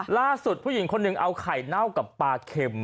ผู้หญิงคนหนึ่งเอาไข่เน่ากับปลาเข็ม